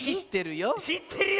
しってるよ。